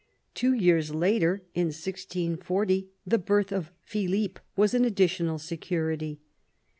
Two years later, in 1640, the birth of Philippe was an additional security.